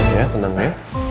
ya tenang ya